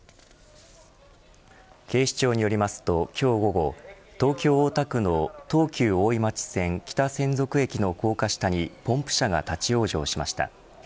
警視庁によりますと今日午後東京大田区の東急大井町線北千束駅の高架下にポンプ車が立ち往生しました。